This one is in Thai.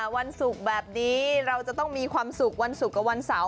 วันศุกร์แบบนี้เราจะต้องมีความสุขวันศุกร์กับวันเสาร์